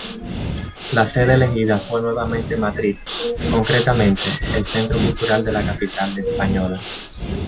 La sede elegida fue nuevamente Madrid; concretamente el centro cultural de la capital española.